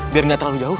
biar gak terlalu jauh